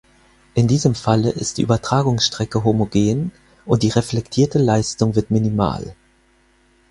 In diesem Falle ist die Übertragungsstrecke homogen, und die reflektierte Leistung wird minimal.